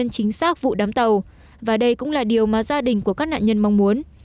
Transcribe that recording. chính xác vụ đám tàu và đây cũng là điều mà gia đình của các nạn nhân mong muốn